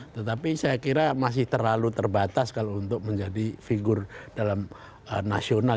tetapi saya kira masih terlalu terbatas kalau untuk menjadi figur dalam nasional